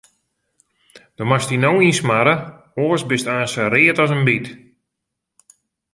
Do moatst dy no ynsmarre, oars bist aanst sa read as in byt.